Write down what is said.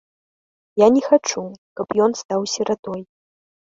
Я не хачу, каб ён стаў сіратой.